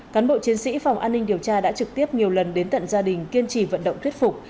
cán bộ chiến sĩ phòng an ninh điều tra đã trực tiếp nhiều lần đến tận gia đình kiên trì vận động thuyết phục